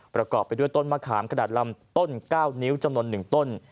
ประกอบไปด้วยต้นมะขามขนาดลำต้น๙นิ้วจำนวน๑ต้น